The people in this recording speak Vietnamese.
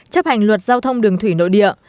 chấp hành luật giao thông đường thủy nội địa